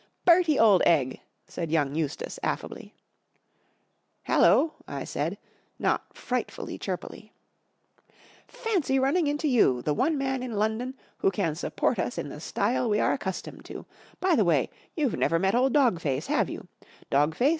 *' Bertie, old egg !" said young Eustace, affably. " Hallo !'' I said, not frightfully chirpily. 44 Fancy running into you, the one man in London who can support us in the style w^e are accustomed to! By' the way, you've never met old Dog Face, have you ? Dog Face.